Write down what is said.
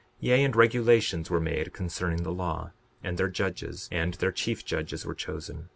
62:47 Yea, and regulations were made concerning the law. And their judges, and their chief judges were chosen.